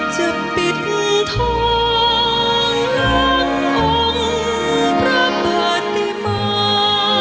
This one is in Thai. จะปิดท้องร่างของพระบาทธิบา